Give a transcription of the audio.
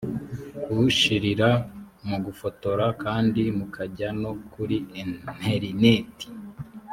ushirira mugufotora kandi mukajya no kuri interineti.